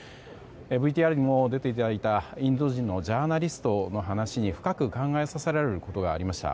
ＶＴＲにも出ていただいたインド人のジャーナリストの話に深く考えさせられることがありました。